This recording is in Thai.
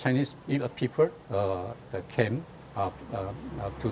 ไหนเป็นโฟล์ไว้เจนเชียงอังกฤษ